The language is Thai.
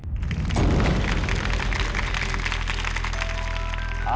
เอาละครับ